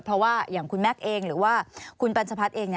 เพราะว่าอย่างคุณแม็กซ์เองหรือว่าคุณปัญชพัฒน์เอง